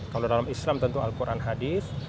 kalau dalam islam tentu al quran hadis